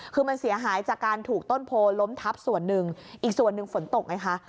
คือมันเสียหายจากการถูกต้นโพล้มทับส่วนหนึ่งอีกส่วนหนึ่งฝนตกไงคะ